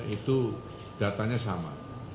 itu datanya sama